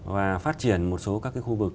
và phát triển một số các khu vực